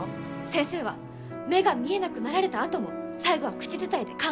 先生は目が見えなくなられたあとも最後は口伝えで完結させたんです！